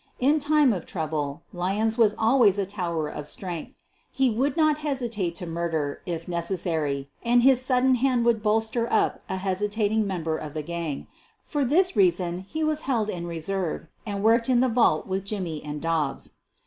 In time of trouble, Lyons was always a tower of strength. He would not hesitate at mur der, if necessary, and his sudden hand would bolster 162 SOPHIE LYONS up a hesitating member of the gang. For this rea son he was held in reserve and worked in the vault with Jimmy and Dobbs.